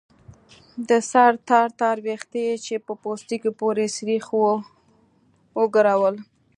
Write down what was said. د سر تار تار ويښته يې چې په پوستکي پورې سرېښ وو وګرول.